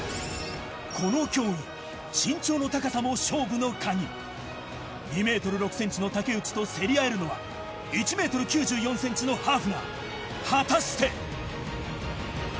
この競技身長の高さも勝負の鍵２ｍ６ｃｍの竹内と競り合えるのは１ｍ９４ｃｍのハーフナー果たして？